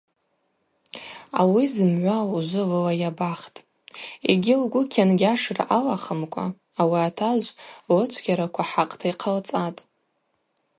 Ауи зымгӏва ужвы лыла йабахтӏ йгьи лгвы кьангьашра алахымкӏва ауи атажв лычвгьараква хӏакъта йхъалцӏатӏ.